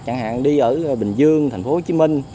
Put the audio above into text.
chẳng hạn đi ở bình dương tp hcm